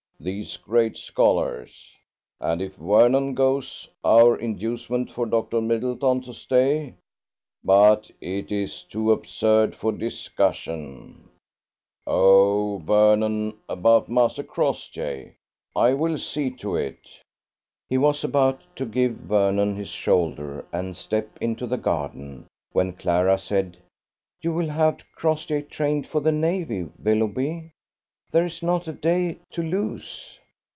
These great scholars! ... And if Vernon goes, our inducement for Dr. Middleton to stay ... But it is too absurd for discussion ... Oh, Vernon, about Master Crossjay; I will see to it." He was about to give Vernon his shoulder and step into the garden, when Clara said, "You will have Crossjay trained for the navy, Willoughby? There is not a day to lose."